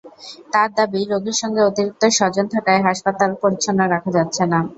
তাঁর দাবি, রোগীর সঙ্গে অতিরিক্ত স্বজন থাকায় হাসপাতাল পরিচ্ছন্ন রাখা যাচ্ছে না।